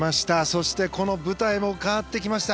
そして、この舞台も変わってきました。